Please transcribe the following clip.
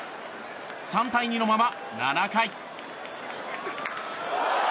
３対２のまま７回。